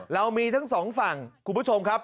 เรามีทั้งสองฝั่งคุณผู้ชมครับ